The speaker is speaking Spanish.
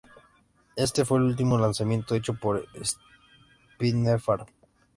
Este fue el último lanzamiento hecho por Spinefarm.